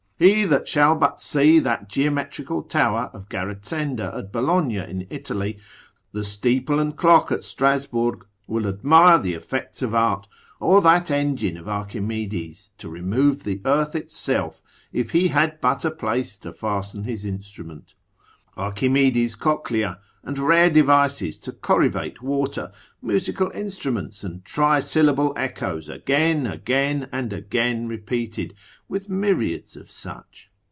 He that shall but see that geometrical tower of Garezenda at Bologna in Italy, the steeple and clock at Strasburg, will admire the effects of art, or that engine of Archimedes, to remove the earth itself, if he had but a place to fasten his instrument: Archimedes Coclea, and rare devices to corrivate waters, musical instruments, and tri syllable echoes again, again, and again repeated, with myriads of such.